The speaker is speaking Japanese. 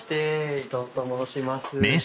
伊藤と申します。